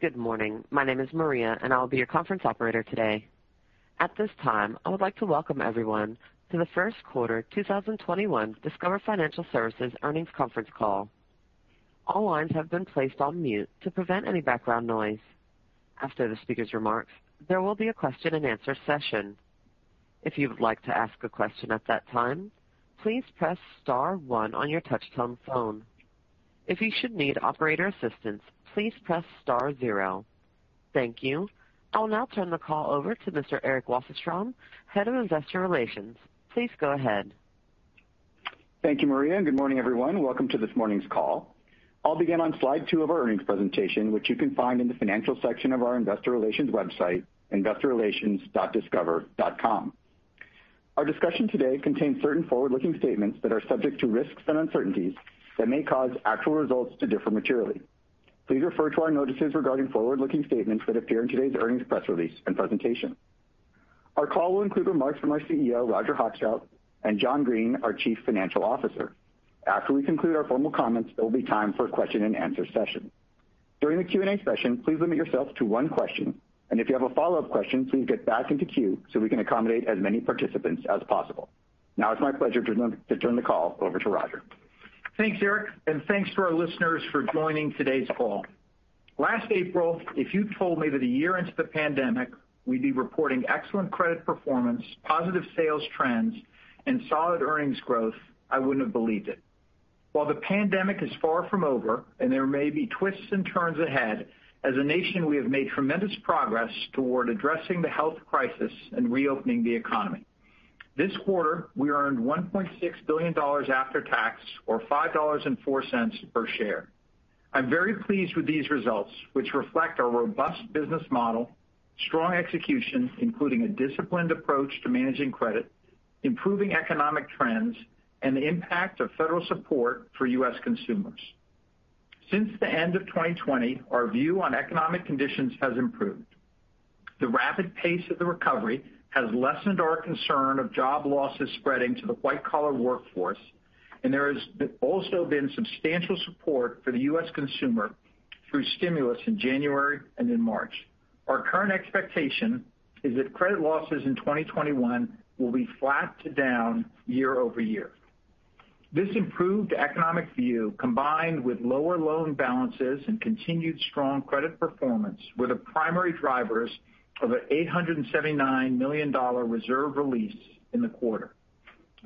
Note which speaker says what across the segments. Speaker 1: Good morning. My name is Maria, and I'll be your conference operator today. At this time, I would like to welcome everyone to the First Quarter 2021 Discover Financial Services Earnings Conference Call. All lines have been placed on mute to prevent any background noise. After the speaker's remarks, there will be a question and-answer-session. If you would like to ask a question at that time, please press star one on your touch-tone phone. If you should need operator assistance, please press star zero. Thank you. I'll now turn the call over to Mr. Eric Wasserstrom, head of investor relations. Please go ahead.
Speaker 2: Thank you, Maria, and good morning, everyone. Welcome to this morning's call. I'll begin on slide two of our earnings presentation, which you can find in the financial section of our investor relations website, investorrelations.discover.com. Our discussion today contains certain forward-looking statements that are subject to risks and uncertainties that may cause actual results to differ materially. Please refer to our notices regarding forward-looking statements that appear in today's earnings press release and presentation. Our call will include remarks from our CEO, Roger Hochschild, and John Greene, our Chief Financial Officer. After we conclude our formal comments, there will be time for a question and answer session. During the Q&A session, please limit yourself to one question, and if you have a follow-up question, please get back into queue so we can accommodate as many participants as possible. Now it's my pleasure to turn the call over to Roger.
Speaker 3: Thanks, Eric, and thanks to our listeners for joining today's call. Last April, if you'd told me that a year into the pandemic we'd be reporting excellent credit performance, positive sales trends, and solid earnings growth, I wouldn't have believed it. While the pandemic is far from over and there may be twists and turns ahead, as a nation, we have made tremendous progress toward addressing the health crisis and reopening the economy. This quarter, we earned $1.6 billion after tax, or $5.04 per share. I'm very pleased with these results, which reflect our robust business model, strong execution, including a disciplined approach to managing credit, improving economic trends, and the impact of federal support for U.S. consumers. Since the end of 2020, our view on economic conditions has improved. The rapid pace of the recovery has lessened our concern of job losses spreading to the white-collar workforce, and there has also been substantial support for the U.S. consumer through stimulus in January and in March. Our current expectation is that credit losses in 2021 will be flat to down year-over-year. This improved economic view, combined with lower loan balances and continued strong credit performance, were the primary drivers of an $879 million reserve release in the quarter.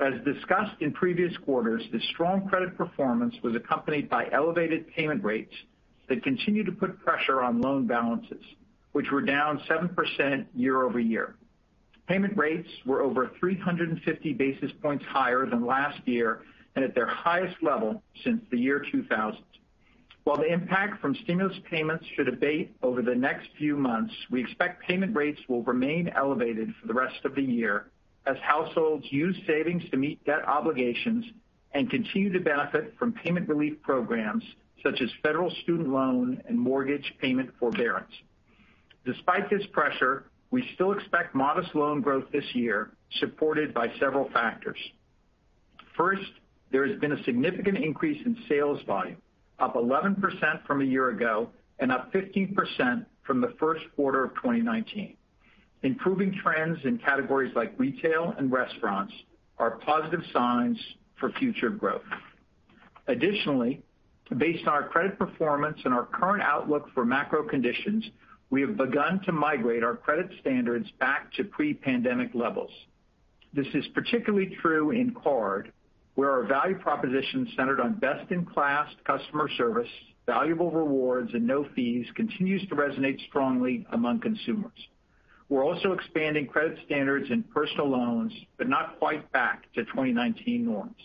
Speaker 3: As discussed in previous quarters, this strong credit performance was accompanied by elevated payment rates that continue to put pressure on loan balances, which were down 7% year-over-year. Payment rates were over 350 basis points higher than last year and at their highest level since the year 2000. While the impact from stimulus payments should abate over the next few months, we expect payment rates will remain elevated for the rest of the year as households use savings to meet debt obligations and continue to benefit from payment relief programs such as federal student loan and mortgage payment forbearance. Despite this pressure, we still expect modest loan growth this year, supported by several factors. First, there has been a significant increase in sales volume, up 11% from a year ago and up 15% from the first quarter of 2019. Improving trends in categories like retail and restaurants are positive signs for future growth. Additionally, based on our credit performance and our current outlook for macro conditions, we have begun to migrate our credit standards back to pre-pandemic levels. This is particularly true in card, where our value proposition centered on best-in-class customer service, valuable rewards, and no fees continues to resonate strongly among consumers. We're also expanding credit standards in personal loans, not quite back to 2019 norms.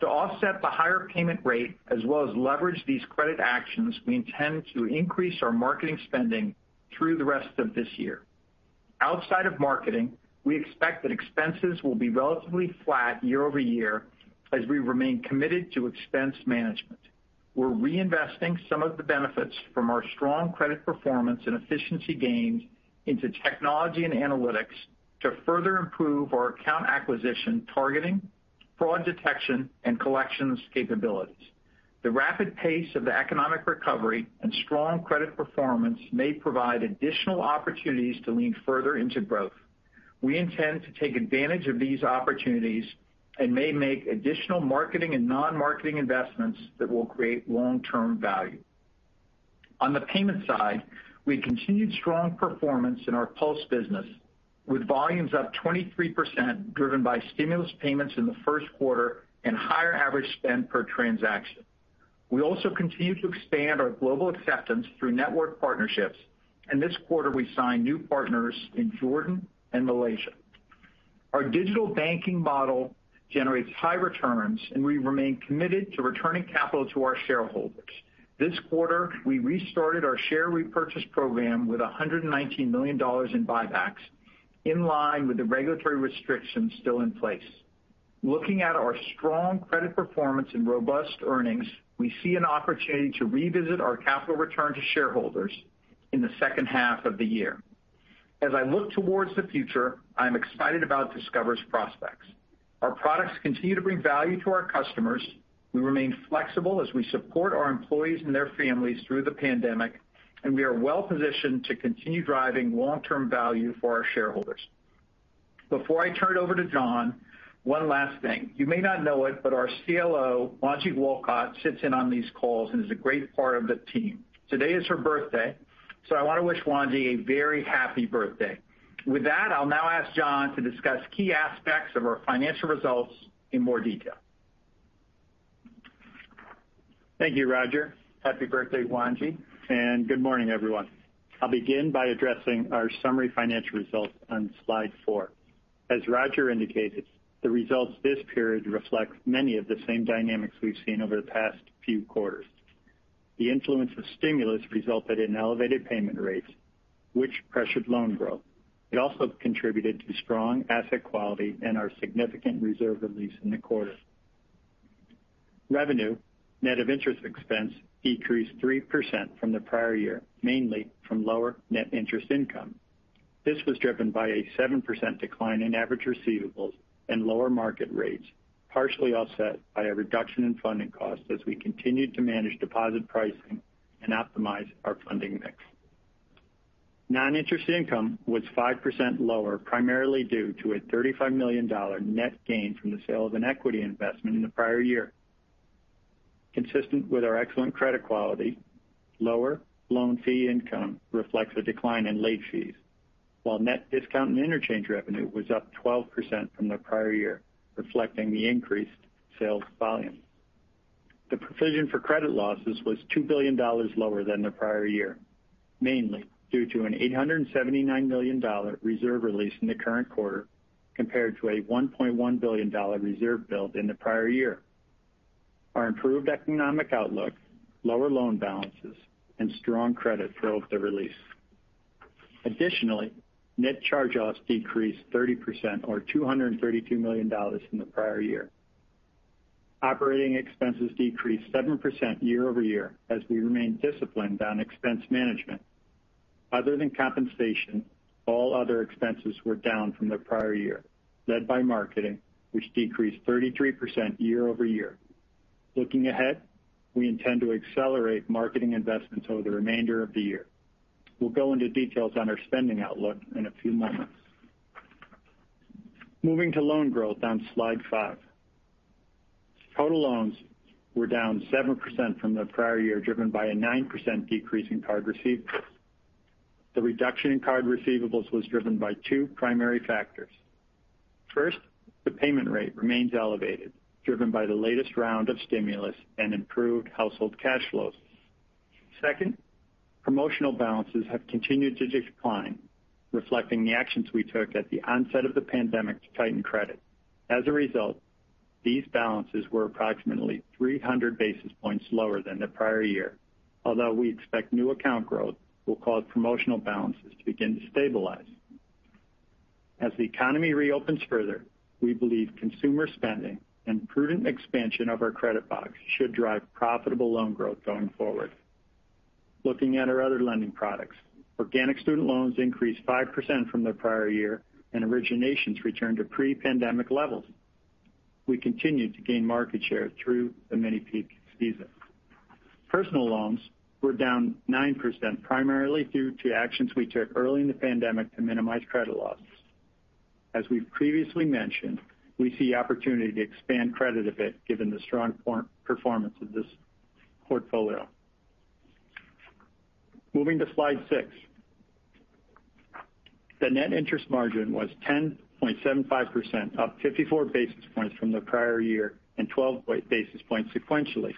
Speaker 3: To offset the higher payment rate as well as leverage these credit actions, we intend to increase our marketing spending through the rest of this year. Outside of marketing, we expect that expenses will be relatively flat year-over-year as we remain committed to expense management. We're reinvesting some of the benefits from our strong credit performance and efficiency gains into technology and analytics to further improve our account acquisition targeting, fraud detection, and collections capabilities. The rapid pace of the economic recovery and strong credit performance may provide additional opportunities to lean further into growth. We intend to take advantage of these opportunities and may make additional marketing and non-marketing investments that will create long-term value. On the payment side, we had continued strong performance in our PULSE business, with volumes up 23% driven by stimulus payments in the first quarter and higher average spend per transaction. We also continue to expand our global acceptance through network partnerships, and this quarter we signed new partners in Jordan and Malaysia. Our digital banking model generates high returns, and we remain committed to returning capital to our shareholders. This quarter, we restarted our share repurchase program with $119 million in buybacks, in line with the regulatory restrictions still in place. Looking at our strong credit performance and robust earnings, we see an opportunity to revisit our capital return to shareholders in the second half of the year. As I look towards the future, I'm excited about Discover's prospects. Our products continue to bring value to our customers. We remain flexible as we support our employees and their families through the pandemic, and we are well-positioned to continue driving long-term value for our shareholders. Before I turn it over to John, one last thing. You may not know it, but our CLO, Wanji Walcott, sits in on these calls and is a great part of the team. Today is her birthday, so I want to wish Wanji a very happy birthday. With that, I'll now ask John to discuss key aspects of our financial results in more detail.
Speaker 4: Thank you, Roger. Happy birthday, Wanji, Good morning, everyone. I'll begin by addressing our summary financial results on slide four. As Roger indicated, the results this period reflect many of the same dynamics we've seen over the past few quarters. The influence of stimulus resulted in elevated payment rates, which pressured loan growth. It also contributed to strong asset quality and our significant reserve release in the quarter. Revenue, net of interest expense, decreased 3% from the prior year, mainly from lower net interest income. This was driven by a 7% decline in average receivables and lower market rates, partially offset by a reduction in funding costs as we continued to manage deposit pricing and optimize our funding mix. Non-interest income was 5% lower, primarily due to a $35 million net gain from the sale of an equity investment in the prior year. Consistent with our excellent credit quality, lower loan fee income reflects a decline in late fees, while net discount and interchange revenue was up 12% from the prior year, reflecting the increased sales volume. The provision for credit losses was $2 billion lower than the prior year, mainly due to an $879 million reserve release in the current quarter compared to a $1.1 billion reserve built in the prior year. Our improved economic outlook, lower loan balances, and strong credit drove the release. Additionally, net charge-offs decreased 30%, or $232 million from the prior year. Operating expenses decreased 7% year-over-year as we remained disciplined on expense management. Other than compensation, all other expenses were down from the prior year, led by marketing, which decreased 33% year-over-year. Looking ahead, we intend to accelerate marketing investments over the remainder of the year. We'll go into details on our spending outlook in a few moments. Moving to loan growth on slide five. Total loans were down 7% from the prior year, driven by a 9% decrease in card receivables. The reduction in card receivables was driven by two primary factors. First, the payment rate remains elevated, driven by the latest round of stimulus and improved household cash flows. Second, promotional balances have continued to decline, reflecting the actions we took at the onset of the pandemic to tighten credit. As a result, these balances were approximately 300 basis points lower than the prior year, although we expect new account growth will cause promotional balances to begin to stabilize. As the economy reopens further, we believe consumer spending and prudent expansion of our credit box should drive profitable loan growth going forward. Looking at our other lending products, organic student loans increased 5% from the prior year, and originations returned to pre-pandemic levels. We continued to gain market share through the mini peak season. Personal loans were down 9%, primarily due to actions we took early in the pandemic to minimize credit losses. As we've previously mentioned, we see opportunity to expand credit a bit given the strong performance of this portfolio. Moving to slide six. The net interest margin was 10.75%, up 54 basis points from the prior year, and 12 basis points sequentially.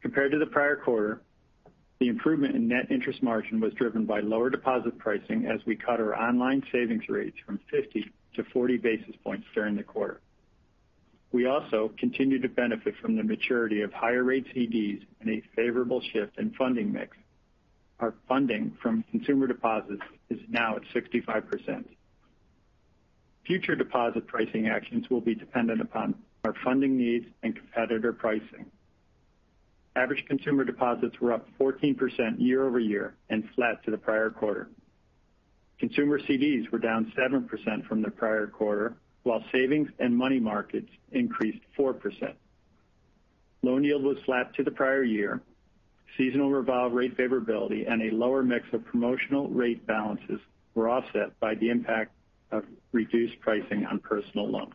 Speaker 4: Compared to the prior quarter, the improvement in net interest margin was driven by lower deposit pricing as we cut our online savings rates from 50-40 basis points during the quarter. We also continue to benefit from the maturity of higher rate CDs and a favorable shift in funding mix. Our funding from consumer deposits is now at 65%. Future deposit pricing actions will be dependent upon our funding needs and competitor pricing. Average consumer deposits were up 14% year-over-year and flat to the prior quarter. Consumer CDs were down 7% from the prior quarter, while savings and money markets increased 4%. Loan yield was flat to the prior year. Seasonal revolve rate favorability and a lower mix of promotional rate balances were offset by the impact of reduced pricing on personal loans.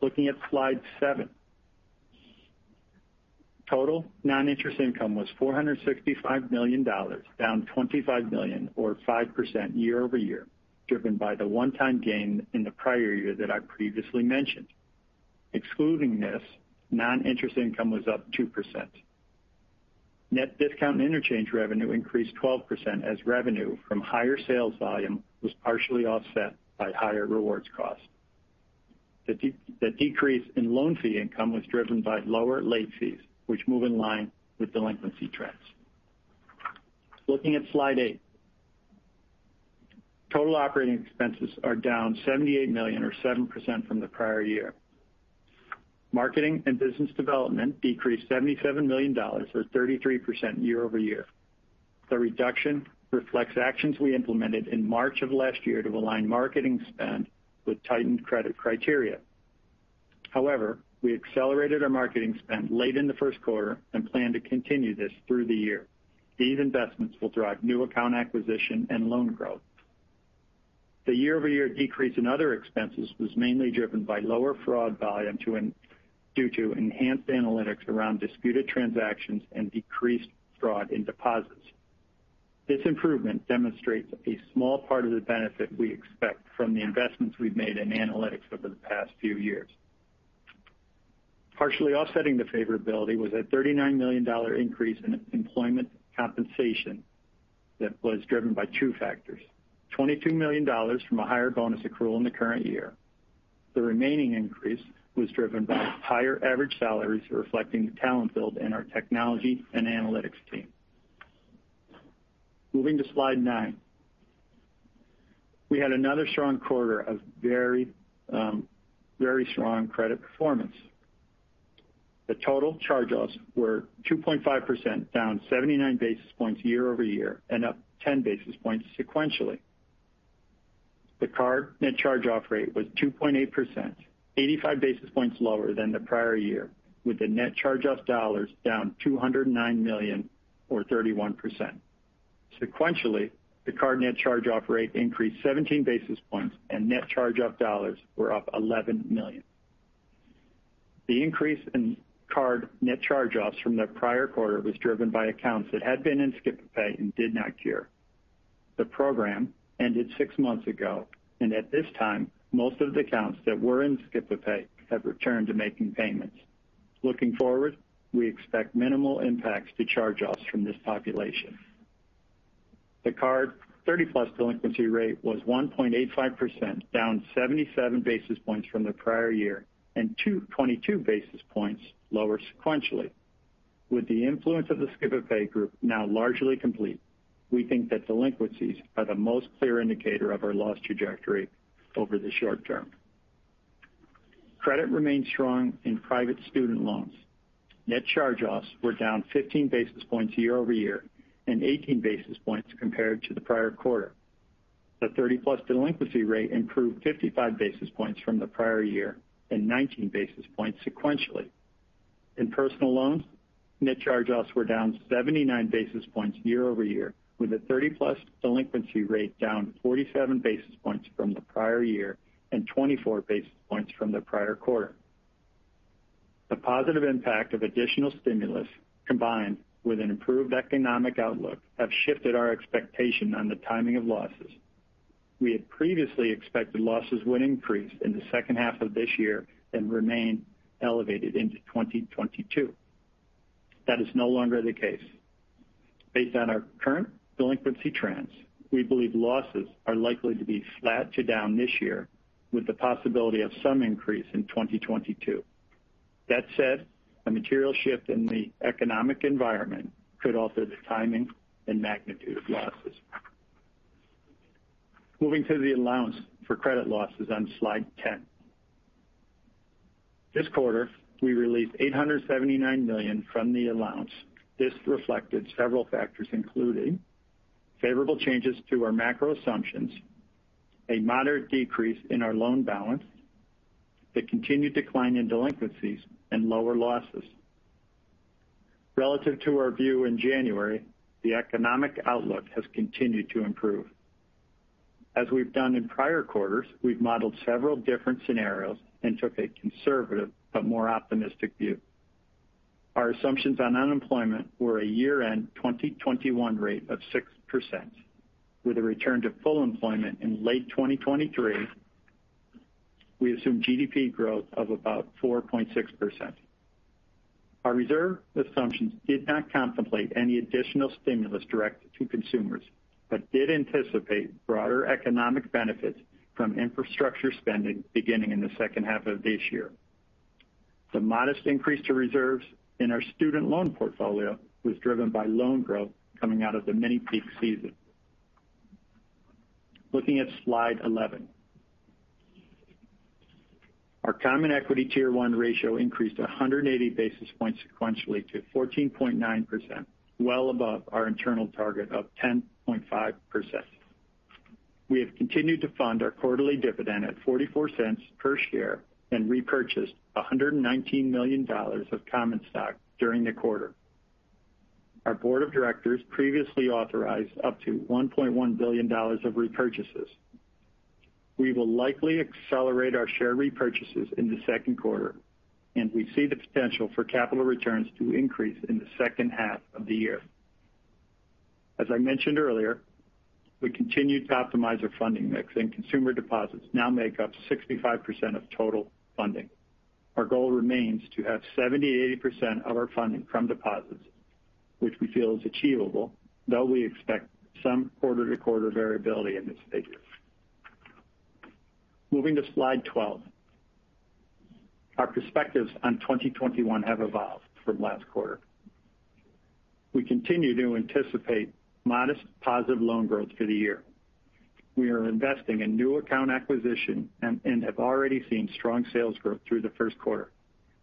Speaker 4: Looking at slide seven. Total non-interest income was $465 million, down $25 million or 5% year-over-year, driven by the one-time gain in the prior year that I previously mentioned. Excluding this, non-interest income was up 2%. Net discount and interchange revenue increased 12% as revenue from higher sales volume was partially offset by higher rewards cost. The decrease in loan fee income was driven by lower late fees, which move in line with delinquency trends. Looking at slide eight. Total operating expenses are down $78 million or 7% from the prior year. Marketing and business development decreased $77 million or 33% year-over-year. The reduction reflects actions we implemented in March of last year to align marketing spend with tightened credit criteria. We accelerated our marketing spend late in the first quarter and plan to continue this through the year. These investments will drive new account acquisition and loan growth. The year-over-year decrease in other expenses was mainly driven by lower fraud volume due to enhanced analytics around disputed transactions and decreased fraud in deposits. This improvement demonstrates a small part of the benefit we expect from the investments we've made in analytics over the past few years. Partially offsetting the favorability was a $39 million increase in employment compensation that was driven by two factors: $22 million from a higher bonus accrual in the current year. The remaining increase was driven by higher average salaries reflecting the talent build in our technology and analytics team. Moving to slide nine. We had another strong quarter of very strong credit performance. The total charge-offs were 2.5%, down 79 basis points year-over-year and up 10 basis points sequentially. The card net charge-off rate was 2.8%, 85 basis points lower than the prior year, with the net charge-off dollars down $209 million or 31%. Sequentially, the card net charge-off rate increased 17 basis points, and net charge-off dollars were up $11 million. The increase in card net charge-offs from the prior quarter was driven by accounts that had been in Skip-a-Pay and did not cure. The program ended six months ago, at this time, most of the accounts that were in Skip-a-Pay have returned to making payments. Looking forward, we expect minimal impacts to charge-offs from this population. The card 30+ delinquency rate was 1.85%, down 77 basis points from the prior year and 22 basis points lower sequentially. With the influence of the Skip-a-Pay group now largely complete, we think that delinquencies are the most clear indicator of our loss trajectory over the short term. Credit remained strong in private student loans. Net charge-offs were down 15 basis points year-over-year and 18 basis points compared to the prior quarter. The 30+ delinquency rate improved 55 basis points from the prior year and 19 basis points sequentially. In personal loans, net charge-offs were down 79 basis points year-over-year, with a 30+ delinquency rate down 47 basis points from the prior year and 24 basis points from the prior quarter. The positive impact of additional stimulus, combined with an improved economic outlook, have shifted our expectation on the timing of losses. We had previously expected losses would increase in the second half of this year and remain elevated into 2022. That is no longer the case. Based on our current delinquency trends, we believe losses are likely to be flat to down this year, with the possibility of some increase in 2022. That said, a material shift in the economic environment could alter the timing and magnitude of losses. Moving to the allowance for credit losses on slide 10. This quarter, we released $879 million from the allowance. This reflected several factors, including favorable changes to our macro assumptions, a moderate decrease in our loan balance, the continued decline in delinquencies, and lower losses. Relative to our view in January, the economic outlook has continued to improve. As we've done in prior quarters, we've modeled several different scenarios and took a conservative but more optimistic view. Our assumptions on unemployment were a year-end 2021 rate of 6%, with a return to full employment in late 2023. We assume GDP growth of about 4.6%. Our reserve assumptions did not contemplate any additional stimulus directed to consumers but did anticipate broader economic benefits from infrastructure spending beginning in the second half of this year. The modest increase to reserves in our student loan portfolio was driven by loan growth coming out of the mini-peak season. Looking at slide 11. Our common equity Tier 1 ratio increased 180 basis points sequentially to 14.9%, well above our internal target of 10.5%. We have continued to fund our quarterly dividend at $0.44 per share and repurchased $119 million of common stock during the quarter. Our board of directors previously authorized up to $1.1 billion of repurchases. We will likely accelerate our share repurchases in the second quarter, and we see the potential for capital returns to increase in the second half of the year. As I mentioned earlier, we continued to optimize our funding mix, and consumer deposits now make up 65% of total funding. Our goal remains to have 70%-80% of our funding from deposits, which we feel is achievable, though we expect some quarter-to-quarter variability in this figure. Moving to slide 12. Our perspectives on 2021 have evolved from last quarter. We continue to anticipate modest positive loan growth for the year. We are investing in new account acquisition and have already seen strong sales growth through the first quarter.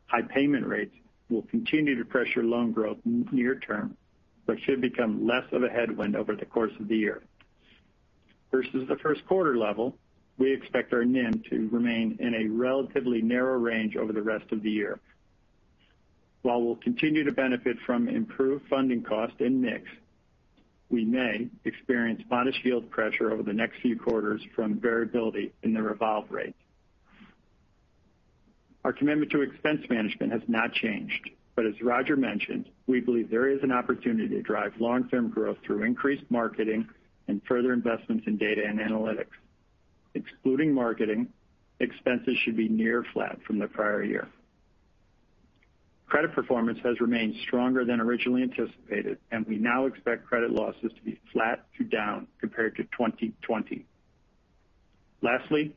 Speaker 4: High payment rates will continue to pressure loan growth near-term, but should become less of a headwind over the course of the year. Versus the first quarter level, we expect our NIM to remain in a relatively narrow range over the rest of the year. While we'll continue to benefit from improved funding cost and mix, we may experience modest yield pressure over the next few quarters from variability in the revolve rate. Our commitment to expense management has not changed, but as Roger mentioned, we believe there is an opportunity to drive long-term growth through increased marketing and further investments in data and analytics. Excluding marketing, expenses should be near flat from the prior year. Credit performance has remained stronger than originally anticipated, and we now expect credit losses to be flat to down compared to 2020. Lastly,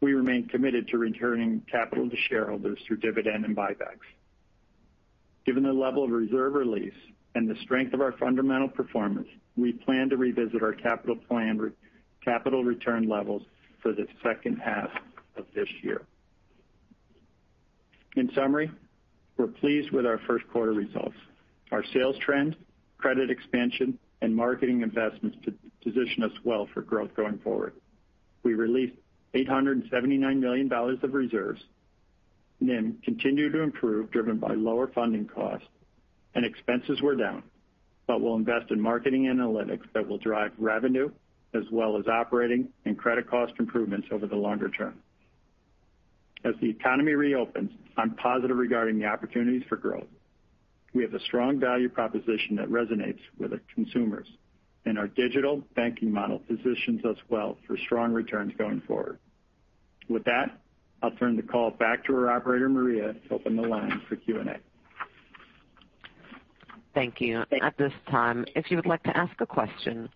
Speaker 4: we remain committed to returning capital to shareholders through dividend and buybacks. Given the level of reserve release and the strength of our fundamental performance, we plan to revisit our capital return levels for the second half of this year. In summary, we're pleased with our first quarter results. Our sales trends, credit expansion, and marketing investments position us well for growth going forward. We released $879 million of reserves. NIM continued to improve, driven by lower funding costs, and expenses were down. We'll invest in marketing analytics that will drive revenue as well as operating and credit cost improvements over the longer term. As the economy reopens, I'm positive regarding the opportunities for growth. We have a strong value proposition that resonates with our consumers, and our digital banking model positions us well for strong returns going forward. With that, I'll turn the call back to our operator, Maria, to open the line for Q&A.
Speaker 1: Thank you. At this time, if you would like to ask a question,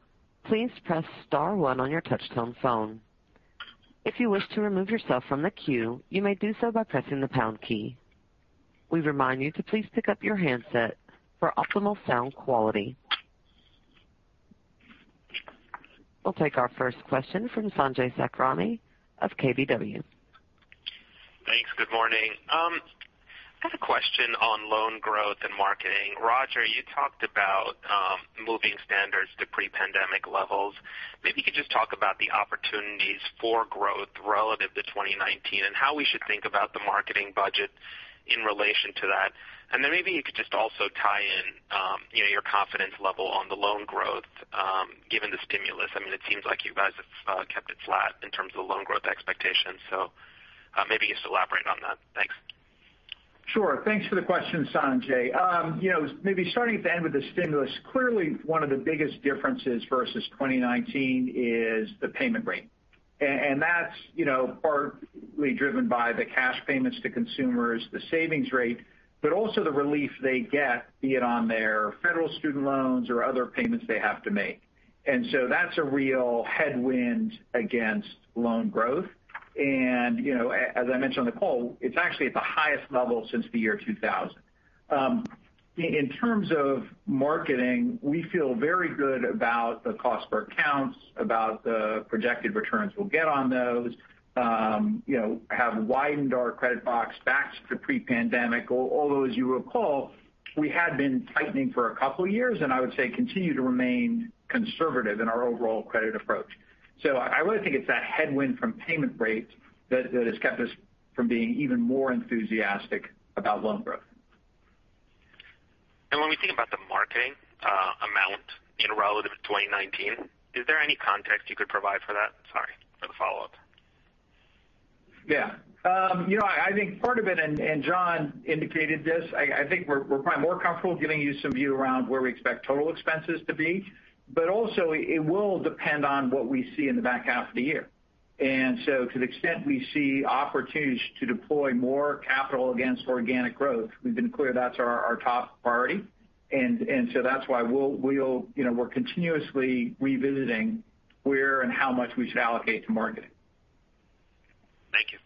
Speaker 1: please press star one on your touch-tone phone. If you wish to remove yourself from the queue, you may do so by pressing the pound key. We remind you to please pick up your handset for optimal sound quality. We'll take our first question from Sanjay Sakhrani of KBW.
Speaker 5: Thanks. Good morning. I have a question on loan growth and marketing. Roger, you talked about moving standards to pre-pandemic levels. Maybe you could just talk about the opportunities for growth relative to 2019 and how we should think about the marketing budget in relation to that. Maybe you could just also tie in your confidence level on the loan growth, given the stimulus. It seems like you guys have kept it flat in terms of the loan growth expectations. Maybe just elaborate on that. Thanks.
Speaker 3: Sure. Thanks for the question, Sanjay. Maybe starting at the end with the stimulus. Clearly, one of the biggest differences versus 2019 is the payment rate. That's partly driven by the cash payments to consumers, the savings rate, but also the relief they get, be it on their federal student loans or other payments they have to make. That's a real headwind against loan growth. As I mentioned on the call, it's actually at the highest level since the year 2000. In terms of marketing, we feel very good about the cost per accounts, about the projected returns we'll get on those. Have widened our credit box back to pre-pandemic, although as you recall, we had been tightening for a couple of years, and I would say continue to remain conservative in our overall credit approach. I really think it's that headwind from payment rates that has kept us from being even more enthusiastic about loan growth.
Speaker 5: When we think about the marketing amount in relative to 2019, is there any context you could provide for that? Sorry for the follow-up.
Speaker 3: Yeah. I think part of it, and John indicated this, I think we're probably more comfortable giving you some view around where we expect total expenses to be. Also it will depend on what we see in the back half of the year. To the extent we see opportunities to deploy more capital against organic growth, we've been clear that's our top priority. That's why we're continuously revisiting where and how much we should allocate to marketing.
Speaker 5: Thank you.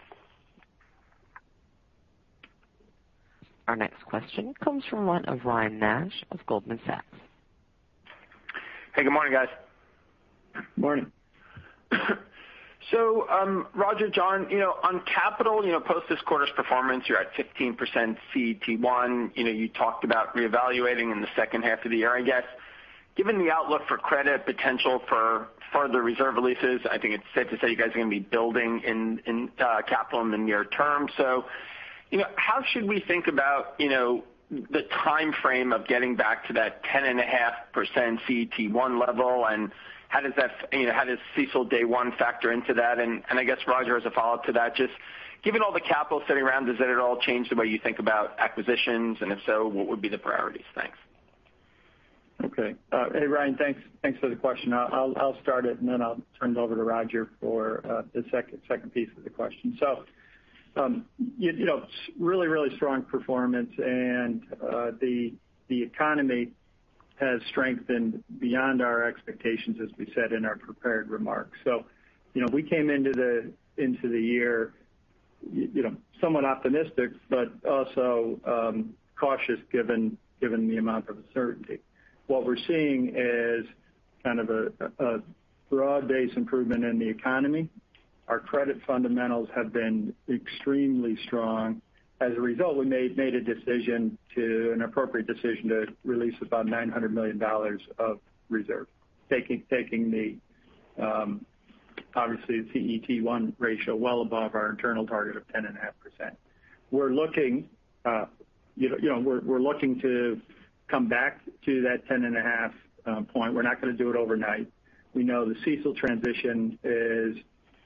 Speaker 1: Our next question comes from the line of Ryan Nash of Goldman Sachs.
Speaker 6: Hey, good morning, guys.
Speaker 4: Morning.
Speaker 6: Roger, John, on capital, post this quarter's performance, you're at 15% CET1. You talked about reevaluating in the second half of the year, I guess. Given the outlook for credit potential for further reserve releases, I think it's safe to say you guys are going to be building in capital in the near term. How should we think about the timeframe of getting back to that 10.5% CET1 level, and how does CECL day one factor into that? I guess, Roger, as a follow-up to that, just given all the capital sitting around, does that at all change the way you think about acquisitions? If so, what would be the priorities? Thanks.
Speaker 4: Hey, Ryan, thanks for the question. I'll start it, and then I'll turn it over to Roger for the second piece of the question. Really strong performance, and the economy has strengthened beyond our expectations, as we said in our prepared remarks. We came into the year somewhat optimistic, but also cautious given the amount of uncertainty. What we're seeing is kind of a broad-based improvement in the economy. Our credit fundamentals have been extremely strong. As a result, we made an appropriate decision to release about $900 million of reserve, taking the, obviously, CET1 ratio well above our internal target of 10.5%. We're looking to come back to that 10.5%. We're not going to do it overnight. We know the CECL transition is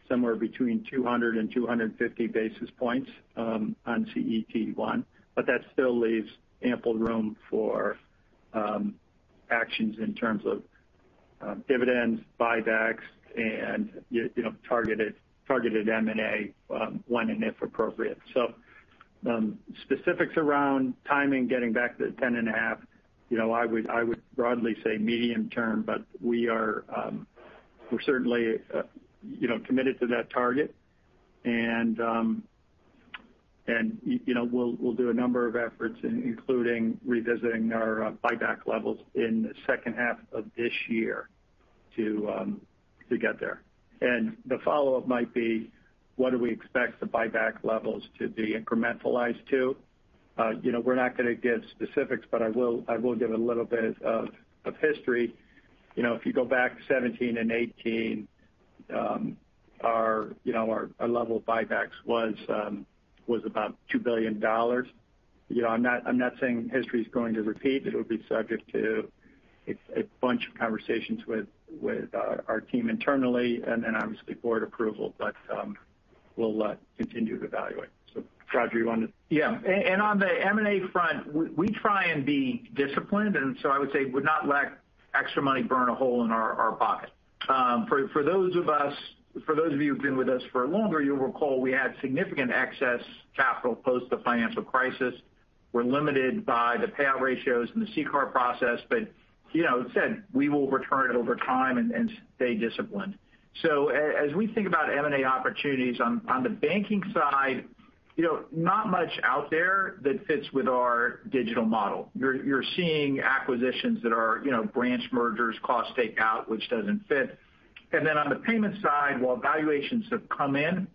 Speaker 4: somewhere between 200 and 250 basis points on CET1, but that still leaves ample room for actions in terms of dividends, buybacks, and targeted M&A, when and if appropriate. Specifics around timing, getting back to the 10.5, I would broadly say medium-term, but we're certainly committed to that target. We'll do a number of efforts, including revisiting our buyback levels in the second half of this year to get there. The follow-up might be, what do we expect the buyback levels to be incrementalized to? We're not going to give specifics, but I will give a little bit of history. If you go back 2017 and 2018, our level of buybacks was about $2 billion. I'm not saying history's going to repeat. It'll be subject to a bunch of conversations with our team internally and then obviously board approval, but we'll continue to evaluate. Roger, you want to.
Speaker 3: Yeah. On the M&A front, we try and be disciplined. I would say we'd not let extra money burn a hole in our pocket. For those of you who've been with us for longer, you'll recall we had significant excess capital post the financial crisis. We're limited by the payout ratios and the CCAR process. As I said, we will return it over time and stay disciplined. As we think about M&A opportunities on the banking side, not much out there that fits with our digital model. You're seeing acquisitions that are branch mergers, cost takeout, which doesn't fit. On the payment side, while valuations have come in,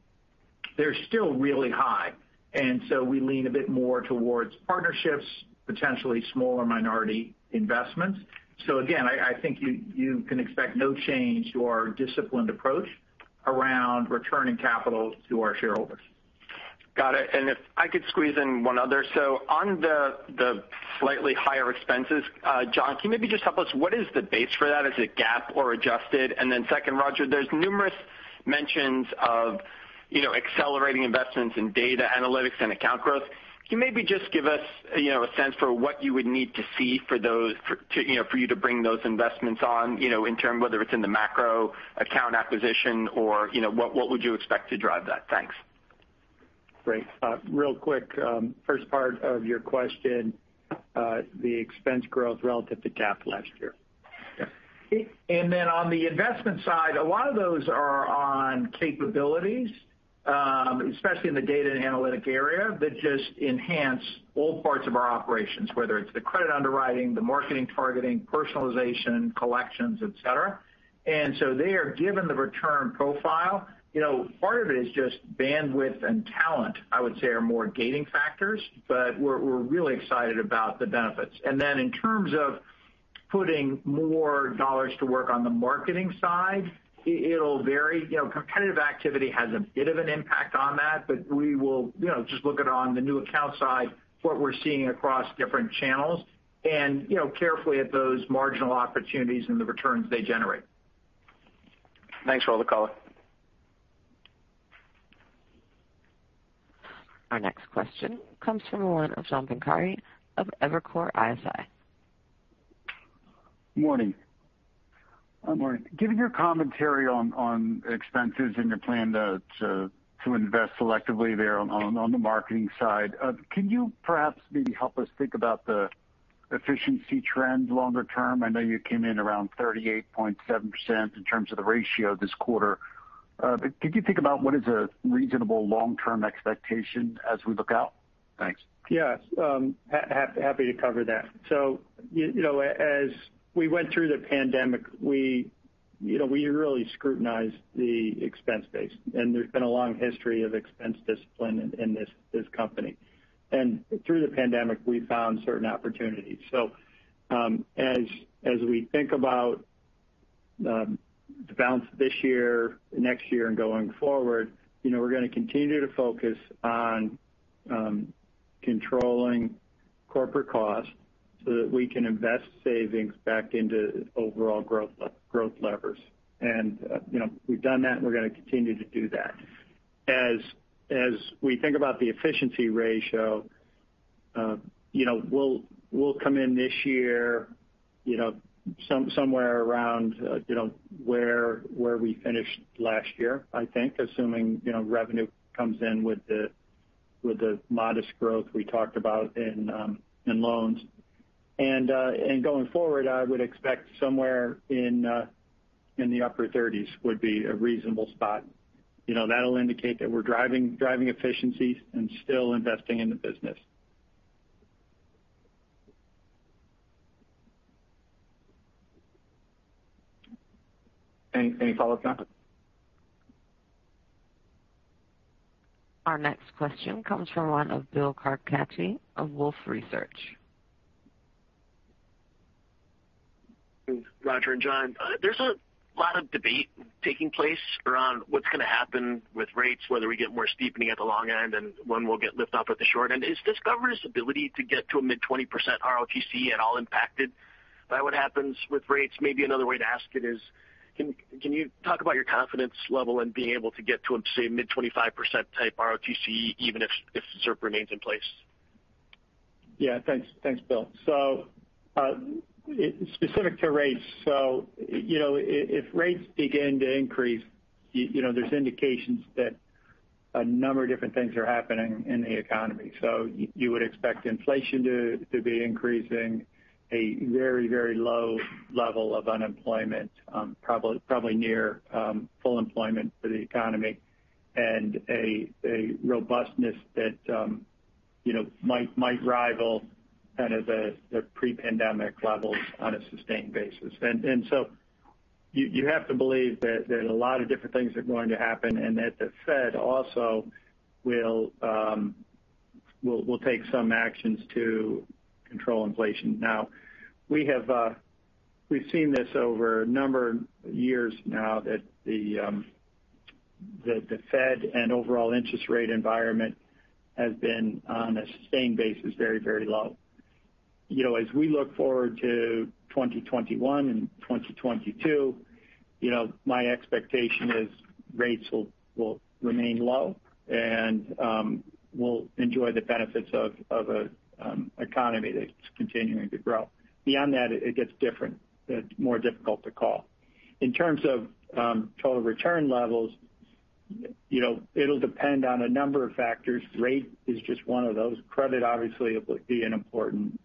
Speaker 3: they're still really high. We lean a bit more towards partnerships, potentially smaller minority investments. Again, I think you can expect no change to our disciplined approach around returning capital to our shareholders.
Speaker 6: Got it. If I could squeeze in one other. On the slightly higher expenses, John, can you maybe just help us, what is the base for that? Is it GAAP or adjusted? Second, Roger, there's numerous mentions of accelerating investments in data analytics and account growth. Can you maybe just give us a sense for what you would need to see for you to bring those investments on, in term whether it's in the macro account acquisition or what would you expect to drive that? Thanks.
Speaker 4: Great. Real quick, first part of your question, the expense growth relative to GAAP last year.
Speaker 3: Yeah. On the investment side, a lot of those are on capabilities, especially in the data and analytic area, that just enhance all parts of our operations, whether it's the credit underwriting, the marketing targeting, personalization, collections, et cetera. There, given the return profile, part of it is just bandwidth and talent, I would say, are more gating factors. We're really excited about the benefits. In terms of putting more dollars to work on the marketing side, it'll vary. Competitive activity has a bit of an impact on that, but we will just look at on the new account side, what we're seeing across different channels and carefully at those marginal opportunities and the returns they generate.
Speaker 6: Thanks for all the color.
Speaker 1: Our next question comes from the line of John Pancari of Evercore ISI.
Speaker 7: Morning. Given your commentary on expenses and your plan to invest selectively there on the marketing side, can you perhaps maybe help us think about the efficiency trend longer-term? I know you came in around 38.7% in terms of the ratio this quarter. Could you think about what is a reasonable long-term expectation as we look out? Thanks.
Speaker 4: Yes. Happy to cover that. As we went through the pandemic, we really scrutinized the expense base, and there's been a long history of expense discipline in this company. Through the pandemic, we found certain opportunities. As we think about the balance this year, next year, and going forward, we're going to continue to focus on controlling corporate costs so that we can invest savings back into overall growth levers. We've done that, and we're going to continue to do that. As we think about the efficiency ratio, we'll come in this year somewhere around where we finished last year, I think, assuming revenue comes in with the modest growth we talked about in loans. Going forward, I would expect somewhere in the upper thirties would be a reasonable spot. That'll indicate that we're driving efficiencies and still investing in the business.
Speaker 2: Any follow-up, John?
Speaker 1: Our next question comes from line of Bill Carcache of Wolfe Research.
Speaker 8: Roger and John, there's a lot of debate taking place around what's going to happen with rates, whether we get more steepening at the long end and when we'll get lift-off at the short end. Is Discover's ability to get to a mid-20% ROTCE at all impacted by what happens with rates? Maybe another way to ask it is can you talk about your confidence level in being able to get to, say, mid-25% type ROTCE even if ZIRP remains in place?
Speaker 4: Yeah. Thanks, Bill. Specific to rates, if rates begin to increase, there's indications that a number of different things are happening in the economy. You would expect inflation to be increasing a very low level of unemployment probably near full employment for the economy and a robustness that might rival kind of the pre-pandemic levels on a sustained basis. You have to believe that a lot of different things are going to happen, and that the Fed also will take some actions to control inflation. We've seen this over a number of years now that the Fed and overall interest rate environment has been on a sustained basis very low. As we look forward to 2021 and 2022, my expectation is rates will remain low, and we'll enjoy the benefits of an economy that's continuing to grow. Beyond that, it gets different. It's more difficult to call. In terms of total return levels, it'll depend on a number of factors. Rate is just one of those. Credit obviously will be an important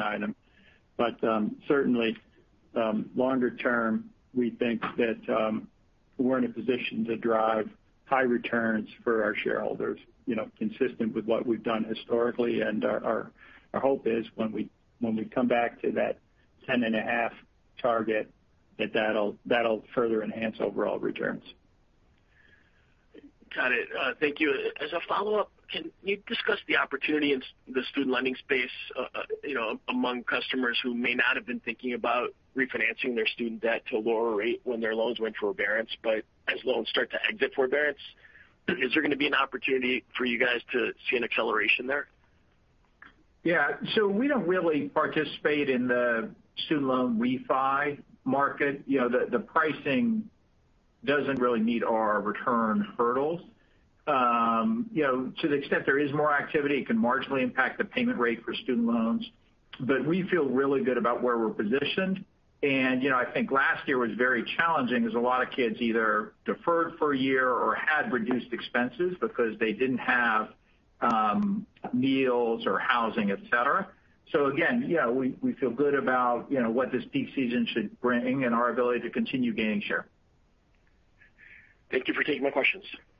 Speaker 4: item. Certainly, longer term, we think that we're in a position to drive high returns for our shareholders consistent with what we've done historically. Our hope is when we come back to that 10.5 target that'll further enhance overall returns.
Speaker 8: Got it. Thank you. As a follow-up, can you discuss the opportunity in the student lending space among customers who may not have been thinking about refinancing their student debt to a lower rate when their loans went to forbearance? As loans start to exit forbearance, is there going to be an opportunity for you guys to see an acceleration there?
Speaker 4: We don't really participate in the student loan refi market. The pricing doesn't really meet our return hurdles. To the extent there is more activity, it can marginally impact the payment rate for student loans. We feel really good about where we're positioned. I think last year was very challenging because a lot of kids either deferred for a year or had reduced expenses because they didn't have meals or housing, et cetera. Again, we feel good about what this peak season should bring and our ability to continue gaining share.
Speaker 8: Thank you for taking my questions.
Speaker 2: Thanks, Bill.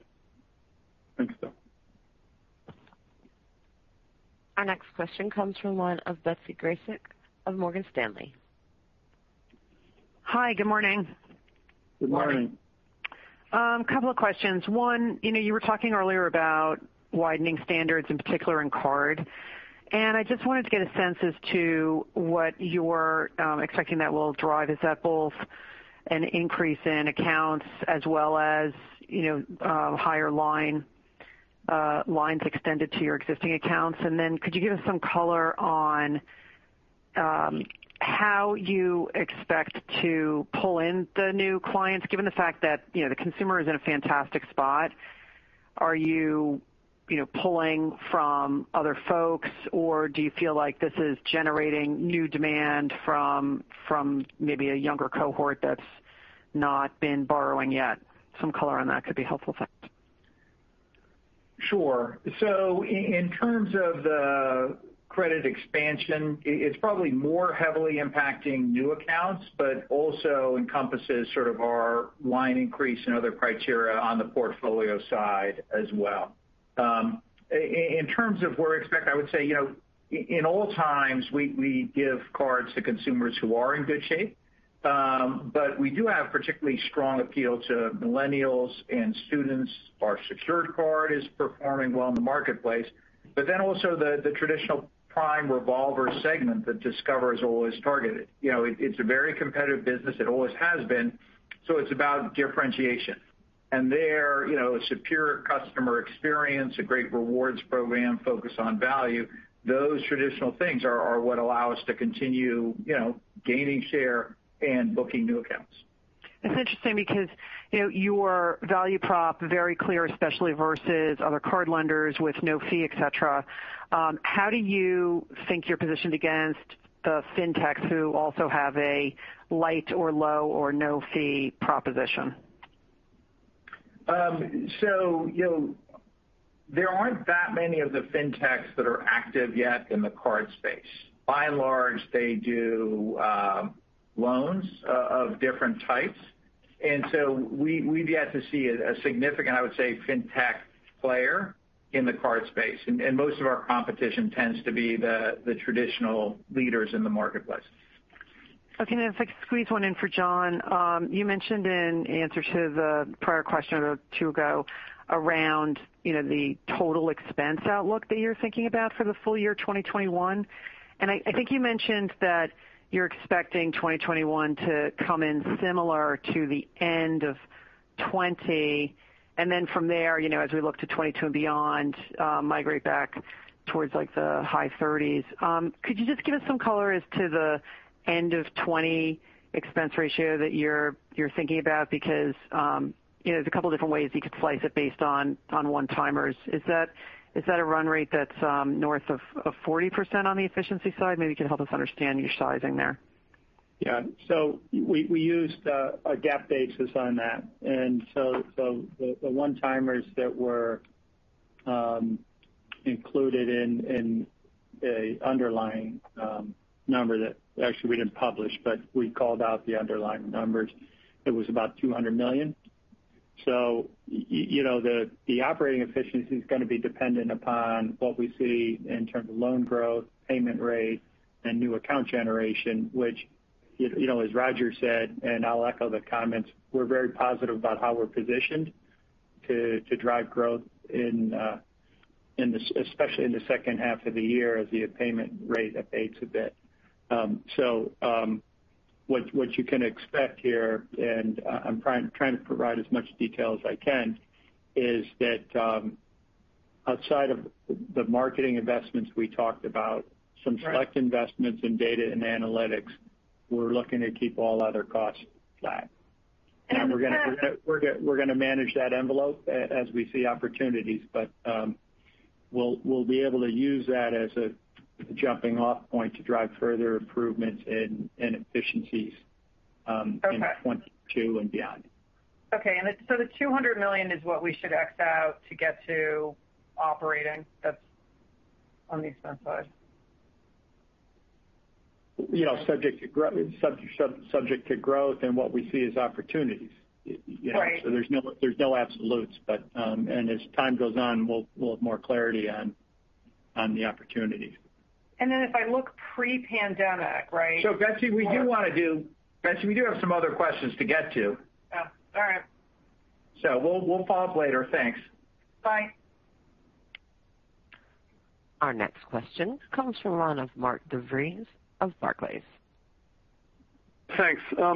Speaker 1: Our next question comes from line of Betsy Graseck of Morgan Stanley.
Speaker 9: Hi. Good morning.
Speaker 4: Good morning.
Speaker 9: Couple of questions. One, you were talking earlier about widening standards, in particular in card, and I just wanted to get a sense as to what you're expecting that will drive. Is that both an increase in accounts as well as higher lines extended to your existing accounts? Could you give us some color on how you expect to pull in the new clients given the fact that the consumer is in a fantastic spot? Are you pulling from other folks, or do you feel like this is generating new demand from maybe a younger cohort that's not been borrowing yet? Some color on that could be helpful. Thanks.
Speaker 4: Sure. In terms of the credit expansion, it's probably more heavily impacting new accounts, but also encompasses sort of our line increase and other criteria on the portfolio side as well. In terms of where to expect, I would say, in all times, we give cards to consumers who are in good shape. We do have particularly strong appeal to millennials and students. Our secured card is performing well in the marketplace. Also the traditional prime revolver segment that Discover has always targeted. It's a very competitive business. It always has been. It's about differentiation. There, a superior customer experience, a great rewards program, focus on value. Those traditional things are what allow us to continue gaining share and booking new accounts.
Speaker 9: It's interesting because your value prop very clear, especially versus other card lenders with no fee, et cetera. How do you think you're positioned against the fintechs who also have a light or low or no fee proposition?
Speaker 3: There aren't that many of the fintechs that are active yet in the card space. By and large, they do loans of different types. We've yet to see a significant, I would say, fintech player in the card space. Most of our competition tends to be the traditional leaders in the marketplace.
Speaker 9: Okay. If I could squeeze one in for John. You mentioned in answer to the prior question or two ago around the total expense outlook that you're thinking about for the full year 2021. I think you mentioned that you're expecting 2021 to come in similar to the end of 2020, and from there, as we look to 2022 and beyond, migrate back towards the high 30s. Could you just give us some color as to the end of 2020 expense ratio that you're thinking about? Because there's a couple different ways you could slice it based on one-timers. Is that a run rate that's north of 40% on the efficiency side? Maybe you could help us understand your sizing there.
Speaker 4: We used a GAAP basis on that. The one-timers that were included in a underlying number that actually we didn't publish, but we called out the underlying numbers, it was about $200 million. The operating efficiency's going to be dependent upon what we see in terms of loan growth, payment rates, and new account generation, which, as Roger said, and I'll echo the comments, we're very positive about how we're positioned to drive growth especially in the second half of the year as the payment rate abates a bit. What you can expect here, and I'm trying to provide as much detail as I can, is that outside of the marketing investments we talked about some select investments in data and analytics, we're looking to keep all other costs flat.
Speaker 9: And-
Speaker 4: We're going to manage that envelope as we see opportunities. We'll be able to use that as a jumping-off point to drive further improvements in efficiencies in 2022 and beyond.
Speaker 9: Okay. The $200 million is what we should X out to get to operating that's on the expense side?
Speaker 4: Subject to growth and what we see as opportunities.
Speaker 9: Right.
Speaker 4: There's no absolutes, but, and as time goes on, we'll have more clarity on the opportunities.
Speaker 9: If I look pre-pandemic, right?
Speaker 3: Betsy, we do have some other questions to get to.
Speaker 9: Oh, all right.
Speaker 3: We'll follow up later. Thanks.
Speaker 9: Bye.
Speaker 1: Our next question comes from the line of Mark DeVries of Barclays.
Speaker 10: Thanks. I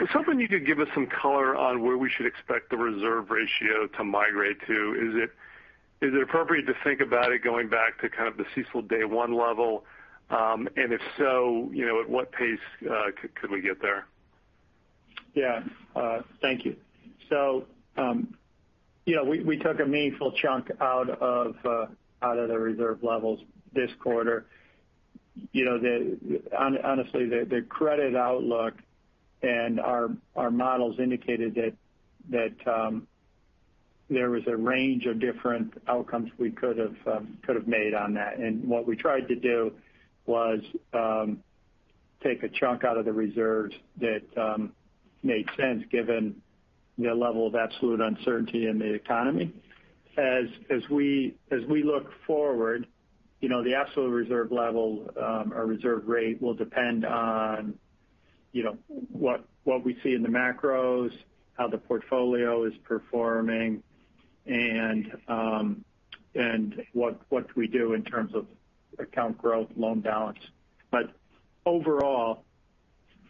Speaker 10: was hoping you could give us some color on where we should expect the reserve ratio to migrate to. Is it appropriate to think about it going back to kind of the CECL day one level? If so, at what pace could we get there?
Speaker 4: Yeah. Thank you. We took a meaningful chunk out of the reserve levels this quarter. Honestly, the credit outlook and our models indicated that there was a range of different outcomes we could've made on that. What we tried to do was take a chunk out of the reserves that made sense given the level of absolute uncertainty in the economy. As we look forward, the absolute reserve level, or reserve rate will depend on what we see in the macros, how the portfolio is performing, and what we do in terms of account growth, loan balance. Overall,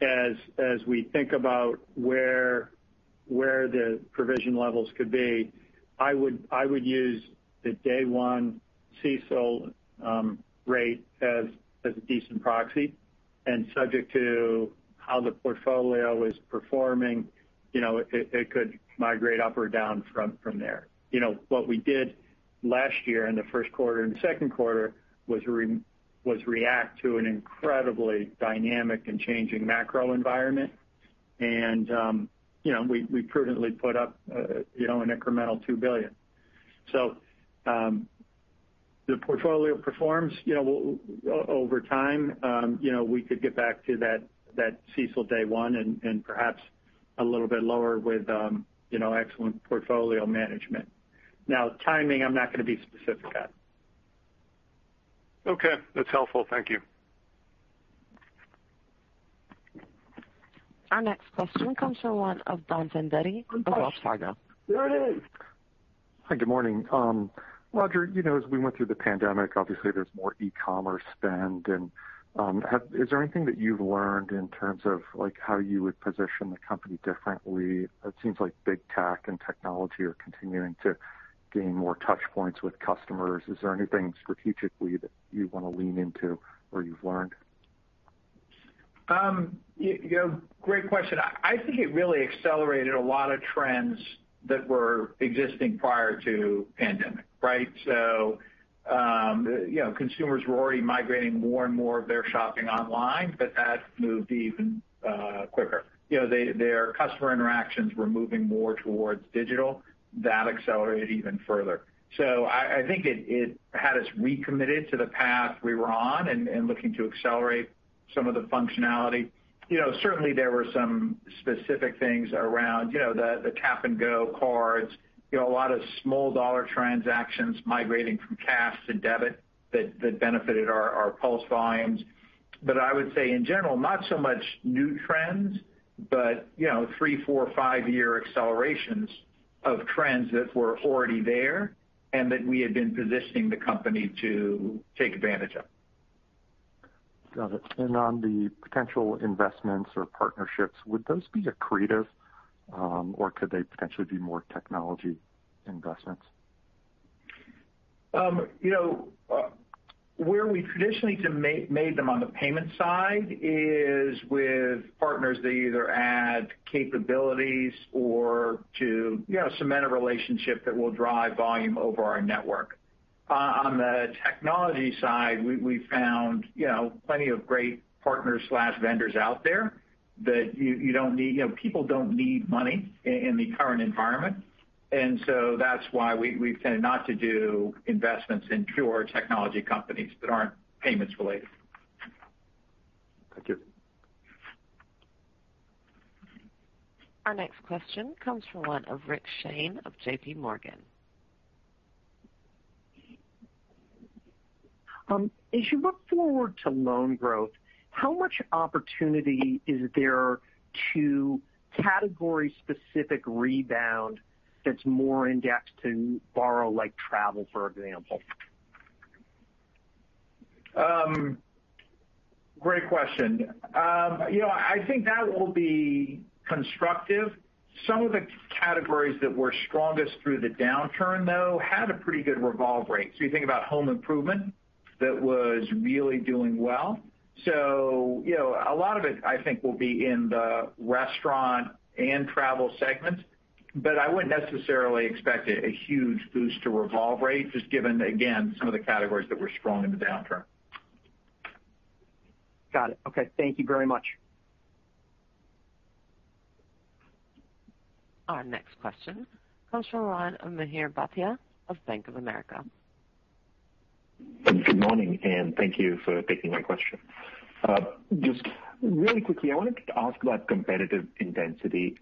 Speaker 4: as we think about where the provision levels could be, I would use the day one CECL rate as a decent proxy, and subject to how the portfolio is performing it could migrate up or down from there. What we did last year in the first quarter and the second quarter was react to an incredibly dynamic and changing macro environment. We prudently put up an incremental $2 billion. The portfolio performs over time. We could get back to that CECL day one and perhaps a little bit lower with excellent portfolio management. Now, timing, I'm not going to be specific at.
Speaker 10: Okay. That's helpful. Thank you.
Speaker 1: Our next question comes from the line of Don Fandetti of Wells Fargo.
Speaker 4: There it is.
Speaker 11: Hi. Good morning. Roger, as we went through the pandemic, obviously there's more e-commerce spend. Is there anything that you've learned in terms of how you would position the company differently? It seems like big tech and technology are continuing to gain more touch points with customers. Is there anything strategically that you want to lean into or you've learned?
Speaker 3: Great question. I think it really accelerated a lot of trends that were existing prior to pandemic. Consumers were already migrating more and more of their shopping online, but that moved even quicker. Their customer interactions were moving more towards digital. That accelerated even further. I think it had us recommitted to the path we were on and looking to accelerate some of the functionality. Certainly there were some specific things around the tap-and-go cards. A lot of small dollar transactions migrating from cash to debit that benefited our PULSE volumes. I would say in general, not so much new trends, but three, four, five-year accelerations of trends that were already there, and that we had been positioning the company to take advantage of.
Speaker 11: Got it. On the potential investments or partnerships, would those be accretive? Could they potentially be more technology investments?
Speaker 3: Where we traditionally made them on the payment side is with partners that either add capabilities or to cement a relationship that will drive volume over our network. On the technology side, we've found plenty of great partners/vendors out there that people don't need money in the current environment. That's why we've tended not to do investments in pure technology companies that aren't payments related.
Speaker 11: Thank you.
Speaker 1: Our next question comes from the line of Rick Shane of JPMorgan.
Speaker 12: As you look forward to loan growth, how much opportunity is there to category-specific rebound that's more in-demand to borrow, like travel, for example?
Speaker 3: Great question. I think that will be constructive. Some of the categories that were strongest through the downturn, though, had a pretty good revolve rate. You think about home improvement, that was really doing well. A lot of it, I think, will be in the restaurant and travel segments, but I wouldn't necessarily expect a huge boost to revolve rates, just given, again, some of the categories that were strong in the downturn.
Speaker 12: Got it. Okay. Thank you very much.
Speaker 1: Our next question comes from the line of Mihir Bhatia of Bank of America.
Speaker 13: Good morning, and thank you for taking my question. Just really quickly, I wanted to ask about competitive intensity.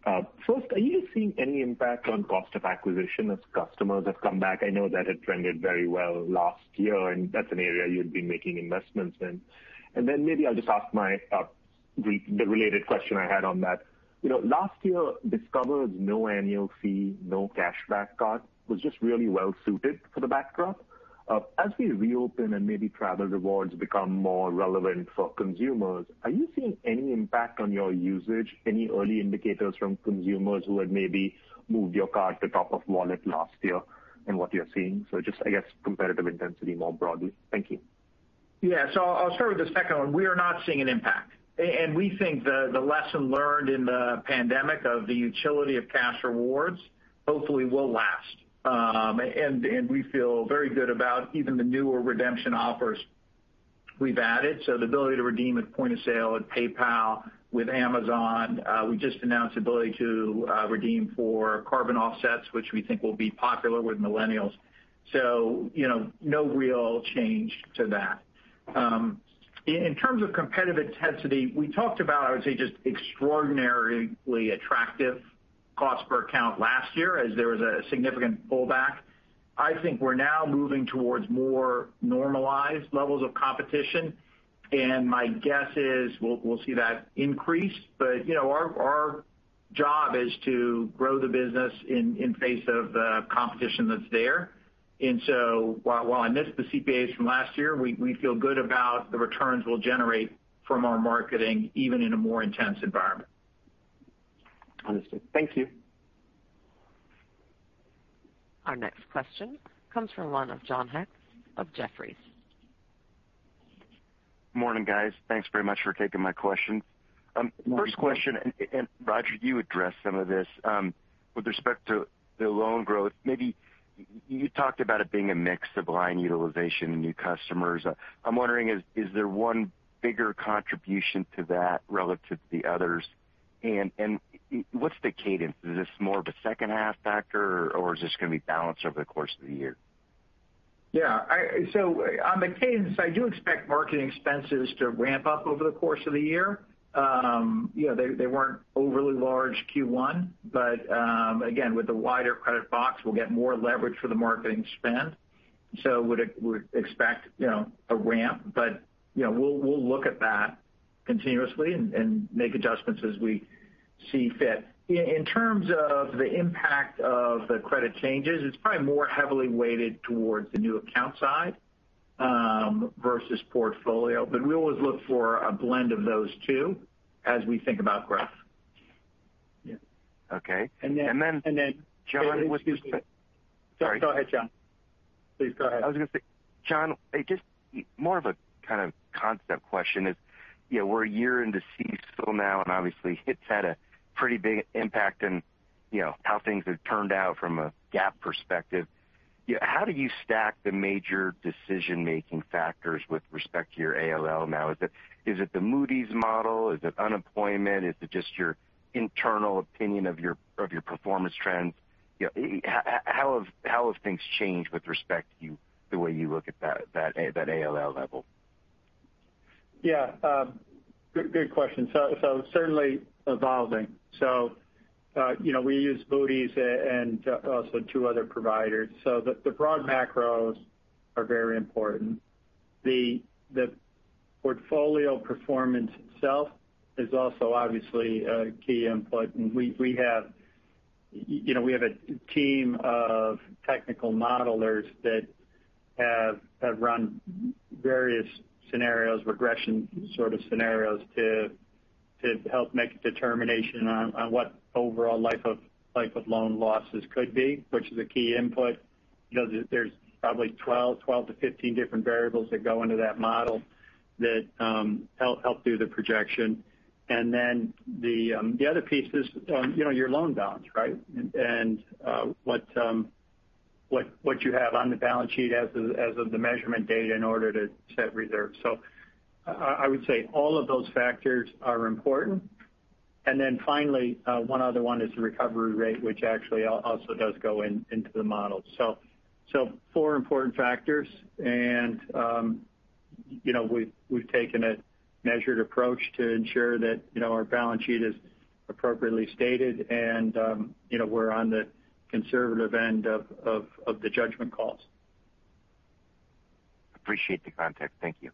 Speaker 13: First, are you seeing any impact on cost of acquisition as customers have come back? I know that had trended very well last year, and that's an area you'd be making investments in. Then maybe I'll just ask the related question I had on that. Last year, Discover's no annual fee, no cashback card was just really well-suited for the backdrop. As we reopen and maybe travel rewards become more relevant for consumers, are you seeing any impact on your usage? Any early indicators from consumers who had maybe moved your card to top of wallet last year and what you're seeing? Just, I guess, competitive intensity more broadly. Thank you.
Speaker 3: Yeah. I'll start with the second one. We are not seeing an impact. We think the lesson learned in the pandemic of the utility of cash rewards hopefully will last. We feel very good about even the newer redemption offers we've added. The ability to redeem at point of sale at PayPal, with Amazon. We just announced the ability to redeem for carbon offsets, which we think will be popular with millennials. No real change to that. In terms of competitive intensity, we talked about, I would say, just extraordinarily attractive cost per account last year as there was a significant pullback. I think we're now moving towards more normalized levels of competition, and my guess is we'll see that increase. Our job is to grow the business in face of the competition that's there. While I miss the CPAs from last year, we feel good about the returns we'll generate from our marketing, even in a more intense environment.
Speaker 13: Understood. Thank you.
Speaker 1: Our next question comes from the line of John Hecht of Jefferies.
Speaker 14: Morning, guys. Thanks very much for taking my question.
Speaker 3: Morning, John.
Speaker 14: First question, and Roger, you addressed some of this. With respect to the loan growth, maybe you talked about it being a mix of line utilization and new customers. I'm wondering, is there one bigger contribution to that relative to the others? And what's the cadence? Is this more of a second half factor, or is this going to be balanced over the course of the year?
Speaker 3: On the cadence, I do expect marketing expenses to ramp up over the course of the year. They weren't overly large Q1, again, with the wider credit box, we'll get more leverage for the marketing spend. Would expect a ramp, we'll look at that continuously and make adjustments as we see fit. In terms of the impact of the credit changes, it's probably more heavily weighted towards the new account side versus portfolio. We always look for a blend of those two as we think about growth.
Speaker 14: Okay.
Speaker 3: And then-
Speaker 14: John,
Speaker 3: Sorry. Please go ahead, John.
Speaker 14: I was going to say, John, just more of a kind of concept question is, we're a year into CECL now, and obviously it's had a pretty big impact in how things have turned out from a GAAP perspective. How do you stack the major decision-making factors with respect to your ALL now? Is it the Moody's model? Is it unemployment? Is it just your internal opinion of your performance trends? How have things changed with respect to the way you look at that ALL level?
Speaker 4: Yeah. Good question. Certainly evolving. We use Moody's and also two other providers. The broad macros are very important. The portfolio performance itself is also obviously a key input, and we have a team of technical modelers that have run various scenarios, regression sort of scenarios, to help make a determination on what overall life of loan losses could be, which is a key input. There's probably 12-15 different variables that go into that model that help do the projection. The other piece is your loan balance, right? What you have on the balance sheet as of the measurement date in order to set reserves. I would say all of those factors are important. Finally, one other one is the recovery rate, which actually also does go into the model. Four important factors. We've taken a measured approach to ensure that our balance sheet is appropriately stated and we're on the conservative end of the judgment calls.
Speaker 14: Appreciate the context. Thank you.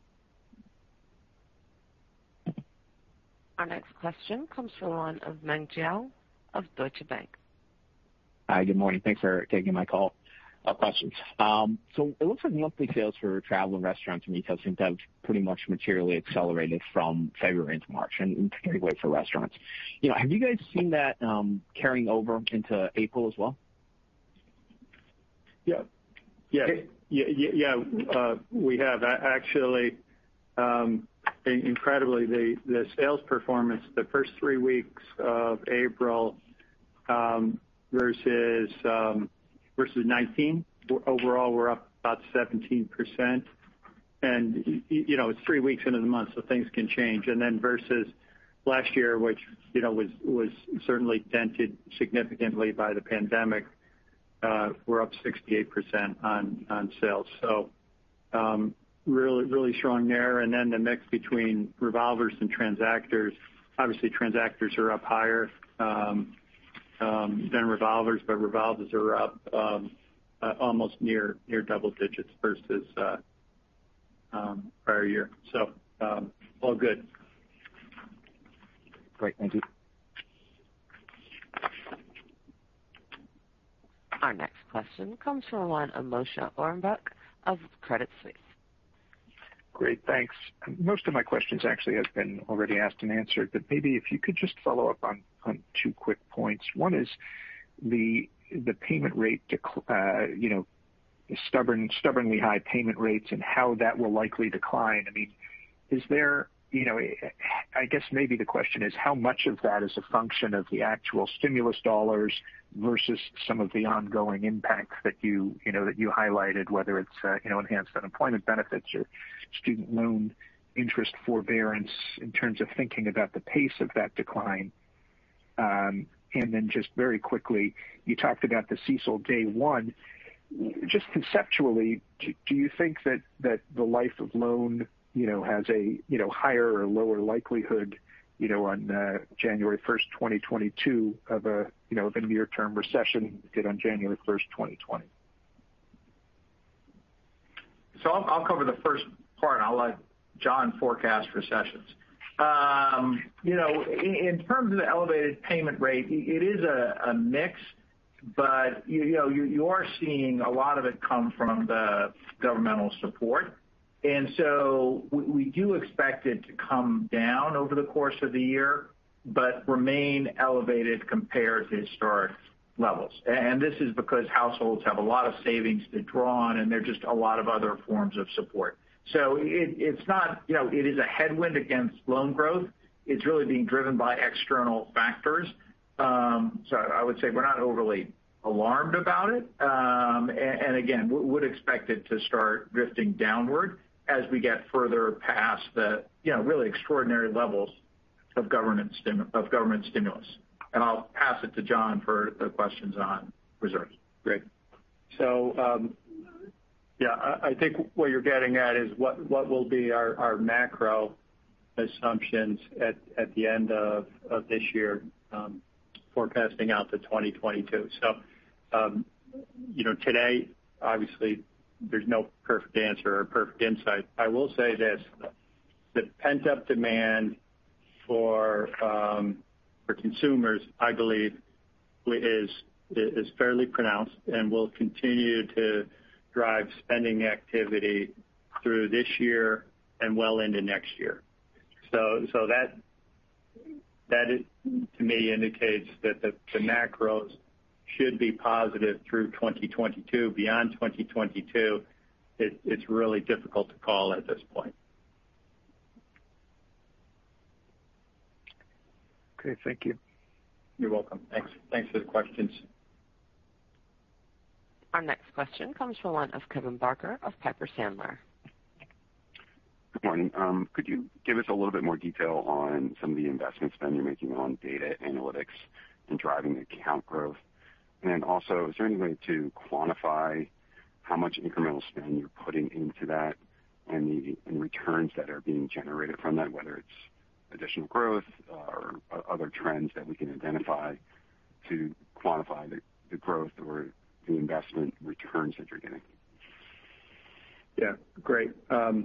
Speaker 2: Our next question comes from the line of Meng Jiao of Deutsche Bank.
Speaker 15: Hi. Good morning. Thanks for taking my call. A couple questions. It looks like monthly sales for travel and restaurants and retail seemed to have pretty much materially accelerated from February into March, and in particular for restaurants. Have you guys seen that carrying over into April as well?
Speaker 4: Yeah. We have. Actually, incredibly, the sales performance the first three weeks of April versus 2019, overall were up about 17%. It's three weeks into the month, things can change. Versus last year, which was certainly dented significantly by the pandemic, we're up 68% on sales. Really strong there. The mix between revolvers and transactors, obviously transactors are up higher than revolvers are up almost near double digits versus prior year. All good.
Speaker 15: Great. Thank you.
Speaker 2: Our next question comes from the line of Moshe Orenbuch of Credit Suisse.
Speaker 16: Great. Thanks. Most of my questions actually have been already asked and answered. Maybe if you could just follow up on two quick points. One is the stubbornly high payment rates and how that will likely decline. I guess maybe the question is how much of that is a function of the actual stimulus dollars versus some of the ongoing impacts that you highlighted, whether it's enhanced unemployment benefits or student loan interest forbearance in terms of thinking about the pace of that decline? Just very quickly, you talked about the CECL day one. Just conceptually, do you think that the life of loan has a higher or lower likelihood on January 1, 2022 of a near-term recession than it did on January 1, 2020?
Speaker 3: I'll cover the first part. I'll let John forecast recessions. In terms of the elevated payment rate, it is a mix. You are seeing a lot of it come from the governmental support. We do expect it to come down over the course of the year but remain elevated compared to historic levels. This is because households have a lot of savings to draw on, and there are just a lot of other forms of support. It is a headwind against loan growth. It's really being driven by external factors. I would say we're not overly alarmed about it. Again, would expect it to start drifting downward as we get further past the really extraordinary levels of government stimulus. I'll pass it to John for the questions on reserves.
Speaker 4: Great. Yeah, I think what you're getting at is what will be our macro assumptions at the end of this year forecasting out to 2022. Today, obviously, there's no perfect answer or perfect insight. I will say this, the pent-up demand for consumers, I believe is fairly pronounced and will continue to drive spending activity through this year and well into next year. That to me indicates that the macros should be positive through 2022. Beyond 2022, it's really difficult to call at this point.
Speaker 16: Okay. Thank you.
Speaker 4: You're welcome. Thanks for the questions.
Speaker 1: Our next question comes from the line of Kevin Barker of Piper Sandler.
Speaker 17: Good morning. Could you give us a little bit more detail on some of the investment spend you're making on data analytics and driving account growth? Is there any way to quantify how much incremental spend you're putting into that and the returns that are being generated from that, whether it's additional growth or other trends that we can identify to quantify the growth or the investment returns that you're getting?
Speaker 4: Yeah. Great. I'll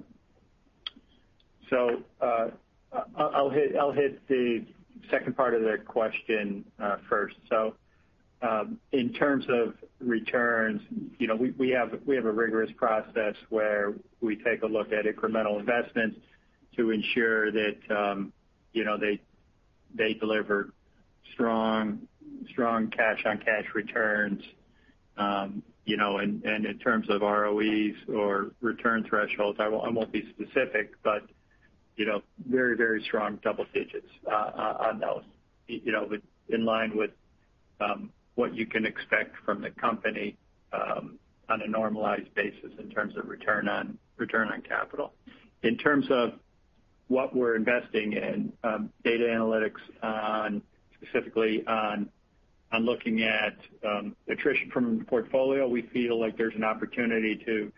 Speaker 4: hit the second part of the question first. In terms of returns, we have a rigorous process where we take a look at incremental investments to ensure that they deliver strong cash on cash returns. In terms of ROEs or return thresholds, I won't be specific, but very strong double digits on those. In line with what you can expect from the company on a normalized basis in terms of return on capital. In terms of what we're investing in data analytics on specifically on looking at attrition from the portfolio, we feel like there's an opportunity to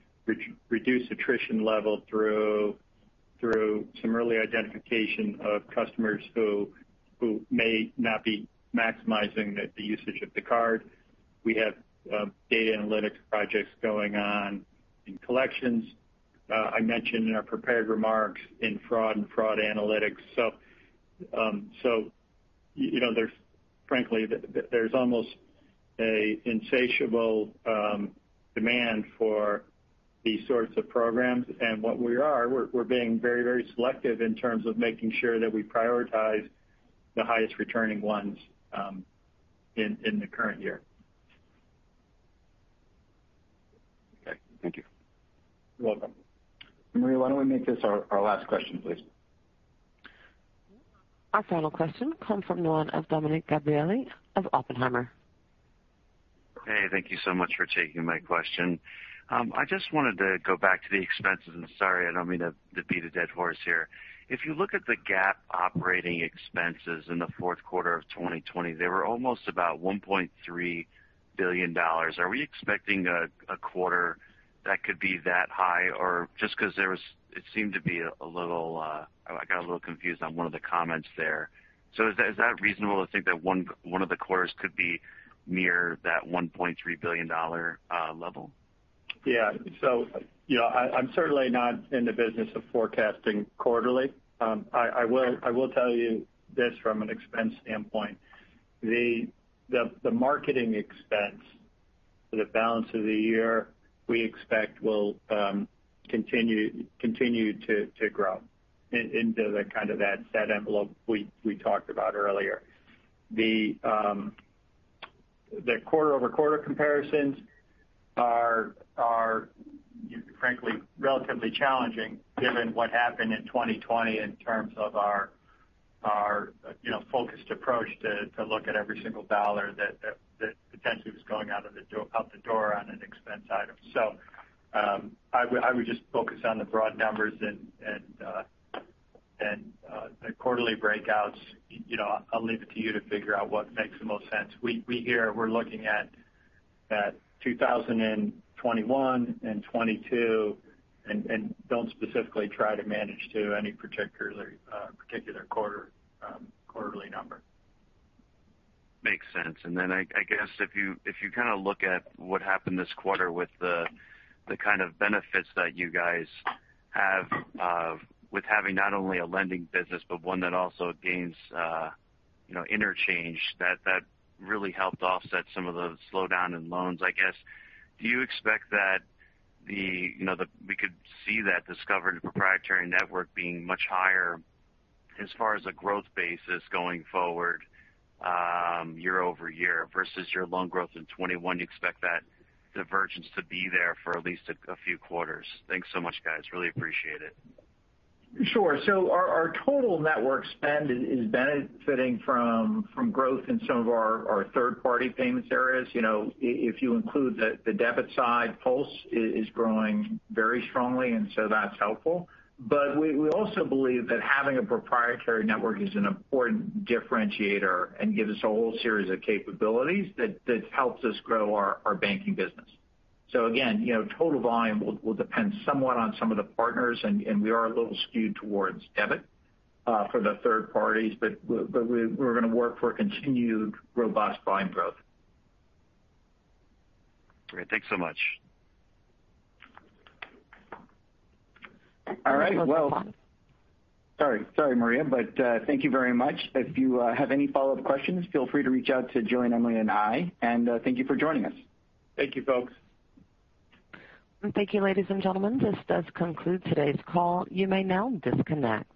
Speaker 4: reduce attrition level through some early identification of customers who may not be maximizing the usage of the card. We have data analytics projects going on in collections. I mentioned in our prepared remarks in fraud and fraud analytics. Frankly, there's almost an insatiable demand for these sorts of programs and what we are, we're being very selective in terms of making sure that we prioritize the highest returning ones in the current year.
Speaker 17: Okay. Thank you.
Speaker 4: You're welcome.
Speaker 2: Maria, why don't we make this our last question, please?
Speaker 1: Our final question comes from the line of Dominick Gabriele of Oppenheimer.
Speaker 18: Hey, thank you so much for taking my question. I just wanted to go back to the expenses, and sorry, I don't mean to beat a dead horse here. If you look at the GAAP operating expenses in the fourth quarter of 2020, they were almost about $1.3 billion. Are we expecting a quarter that could be that high? Just because it seemed to be, I got a little confused on one of the comments there. Is that reasonable to think that one of the quarters could be near that $1.3 billion level?
Speaker 4: I'm certainly not in the business of forecasting quarterly. I will tell you this from an expense standpoint. The marketing expense for the balance of the year, we expect will continue to grow into that kind of envelope we talked about earlier. The quarter-over-quarter comparisons are frankly, relatively challenging given what happened in 2020 in terms of our focused approach to look at every single dollar that potentially was going out the door on an expense item. I would just focus on the broad numbers and the quarterly breakouts. I'll leave it to you to figure out what makes the most sense. We here, we're looking at 2021 and 2022, and don't specifically try to manage to any particular quarterly number.
Speaker 18: Makes sense. I guess if you kind of look at what happened this quarter with the kind of benefits that you guys have with having not only a lending business, but one that also gains interchange, that really helped offset some of the slowdown in loans, I guess. Do you expect that we could see that Discover proprietary network being much higher as far as a growth basis going forward year-over-year versus your loan growth in 2021? You expect that divergence to be there for at least a few quarters. Thanks so much, guys. Really appreciate it.
Speaker 4: Sure. Our total network spend is benefiting from growth in some of our third-party payments areas. If you include the debit side, PULSE is growing very strongly, and so that's helpful. We also believe that having a proprietary network is an important differentiator and gives us a whole series of capabilities that helps us grow our banking business. Again, total volume will depend somewhat on some of the partners, and we are a little skewed towards debit for the third parties. We're going to work for a continued robust volume growth.
Speaker 18: Great. Thanks so much.
Speaker 2: All right. Well, sorry, Maria. Thank you very much. If you have any follow-up questions, feel free to reach out to John, Emily, and I. Thank you for joining us.
Speaker 4: Thank you, folks.
Speaker 1: Thank you, ladies and gentlemen. This does conclude today's call. You may now disconnect.